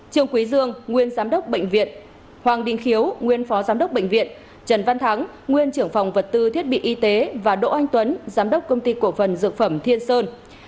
trương quý dương nguyên giám đốc bệnh viện hoàng đình khiếu nguyên phó giám đốc bệnh viện trần văn thắng nguyên trưởng phòng vật tư thiết bị y tế và đỗ anh tuấn giám đốc công ty cổ phần dược phẩm thiên sơn